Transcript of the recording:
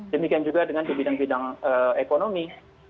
demikian juga dengan di bidang bidang ekonomi